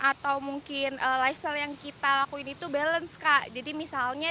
atau mungkin lifestyle yang kita lakuin itu balance kak jadi misalnya